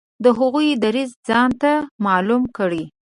د هغوی دریځ ځانته معلوم کړي.